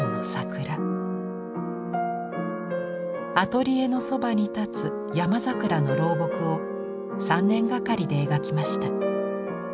アトリエのそばに立つ山桜の老木を３年がかりで描きました。